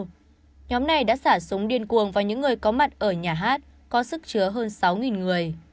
nhóm này đã xả súng điên cuồng vào những người có mặt ở nhà hát có sức chứa hơn sáu người